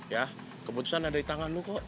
ya keputusan ada di tangan lo kok